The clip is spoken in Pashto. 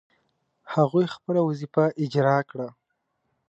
هغوی خپله وظیفه اجرا کړه.